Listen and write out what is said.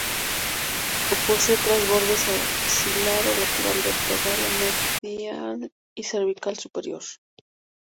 Posee tres bordes: axilar o lateral, vertebral o medial y cervical o superior.